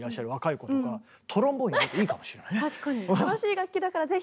楽しい楽器だから是非！